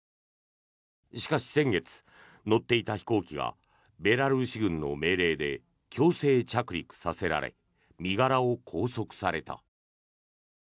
しかし、先月乗っていた飛行機がベラルーシ軍の命令で強制着陸させられ身柄を拘束された。